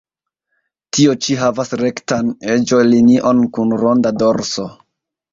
Tio ĉi havas rektan eĝo-linion kun ronda dorso.